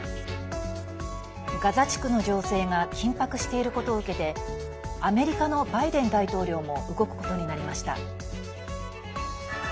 ガザ地区の情勢が緊迫していることを受けてアメリカのバイデン大統領も動くことになりました。